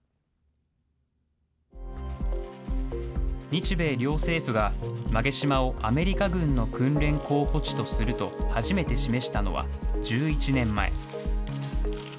日米両政府が、馬毛島をアメリカ軍の訓練候補地とすると初めて示したのは１１年前。